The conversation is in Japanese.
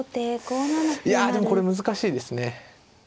いやでもこれ難しいですね。